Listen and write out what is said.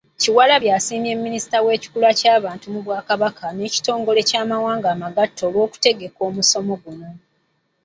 Kyewalabye asiimye Minisitule y'Ekikula ky'abantu mu Bwakabaka n'ekitongole ky'amawanga amagatte olw'okutegeka omusomo guno.